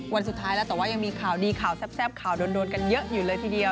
วันสุดท้ายแล้วแต่ว่ายังมีข่าวดีข่าวแซ่บข่าวโดนกันเยอะอยู่เลยทีเดียว